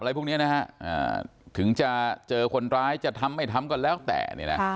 อะไรพวกนี้นะฮะถึงจะเจอคนร้ายจะทำไม่ทำก็แล้วแต่